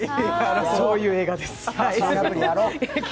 そういう映画です。